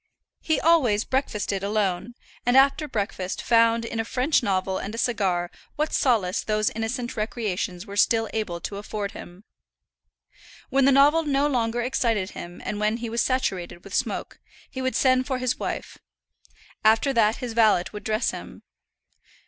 He always breakfasted alone, and after breakfast found in a French novel and a cigar what solace those innocent recreations were still able to afford him. When the novel no longer excited him and when he was saturated with smoke, he would send for his wife. After that, his valet would dress him.